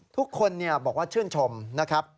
ทุกคนบอกว่าชื่นชมนะครับ